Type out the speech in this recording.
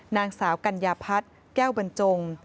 นางสาวกัญญาพัฒน์แก้วบรรจง